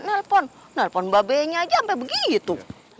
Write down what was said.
nelpon nelpon babenya aja ampe begitu